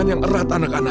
kalian mau pulang kan